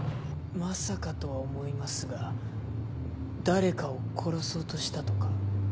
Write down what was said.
まさかとは思いますが誰かを殺そうとしたとか？